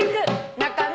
中野？